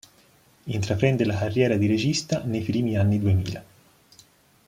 Intraprende la carriera di regista nei primi anni duemila.